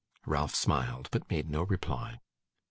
Ralph smiled, but made no reply.